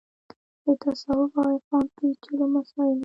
د تصوف او عرفان پېچلو مسایلو